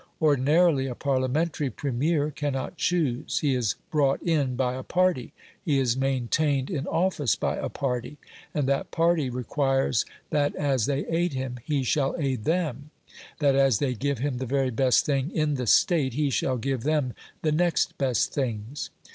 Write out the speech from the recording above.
Ordinarily a Parliamentary Premier cannot choose; he is brought in by a party; he is maintained in office by a party; and that party requires that as they aid him, he shall aid them; that as they give him the very best thing in the State, he shall give them the next best things.